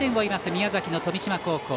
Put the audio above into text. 宮崎の富島高校。